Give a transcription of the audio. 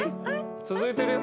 続いてるよ。